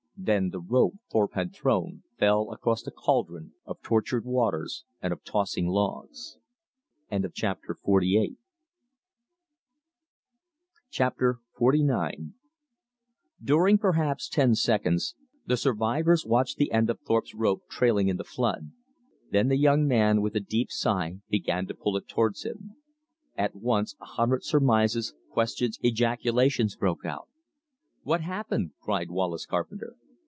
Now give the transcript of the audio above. Then the rope Thorpe had thrown fell across a caldron of tortured waters and of tossing logs. Chapter XLIX During perhaps ten seconds the survivors watched the end of Thorpe's rope trailing in the flood. Then the young man with a deep sigh began to pull it towards him. At once a hundred surmises, questions, ejaculations broke out. "What happened?" cried Wallace Carpenter.